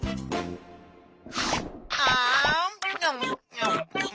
あん。